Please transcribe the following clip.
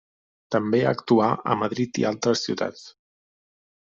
També actuà a Madrid i a altres ciutats.